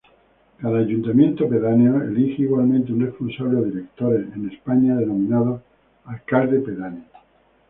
Cada ayuntamiento pedáneo elige igualmente un responsable o director en España denominado alcalde pedáneo.